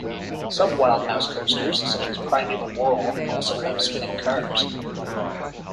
Some wild mouse coasters, such as Primeval Whirl, also have spinning cars.